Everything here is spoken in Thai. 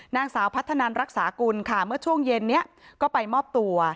นางสาวพัฒนันรักษากุลค่ะเมื่อช่วงเย็นนี้ก็ไปมอบตัว